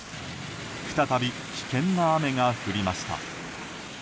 再び危険な雨が降りました。